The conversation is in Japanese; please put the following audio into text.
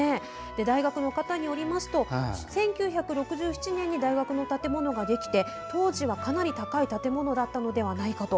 大学の方によりますと１９６７年に大学の建物ができて当時はかなり高い建物だったのではないかと。